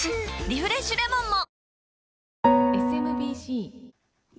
「リフレッシュレモン」も！